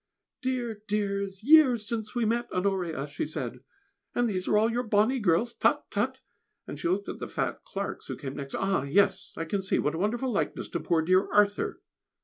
"Dear, dear, years since we met, Honoria," she said; "and these are all your bonny girls, tut, tut!" and she looked at the fat Clarks who came next. "Ah! yes I can see! What a wonderful likeness to poor dear Arthur!"